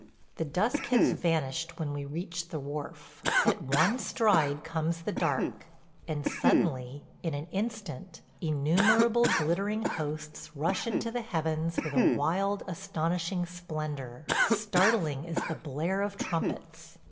... The dusk has vanished when we reach the wharf – "At one stride comes the dark," and suddenly, in an instant, innumerable glittering hosts rush into the heavens with a wild, astonishing splendor, startling as the blare of trumpets